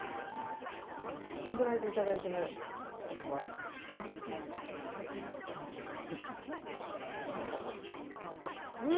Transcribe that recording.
このぐらいでいただいてみよう。